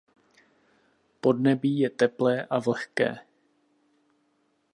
Podnebí je teplé a vlhké.